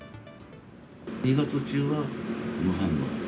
２月中は無反応。